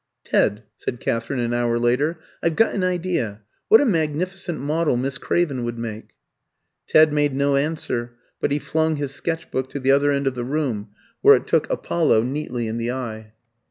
"Ted," said Katherine an hour later, "I've got an idea. What a magnificent model Miss Craven would make!" Ted made no answer; but he flung his sketch book to the other end of the room, where it took Apollo neatly in the eye.